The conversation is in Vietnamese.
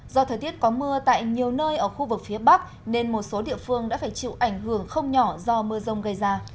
do thời tiết có mưa tại nhiều nơi ở khu vực phía bắc nên một số địa phương đã phải chịu ảnh hưởng không nhỏ do mưa rông gây ra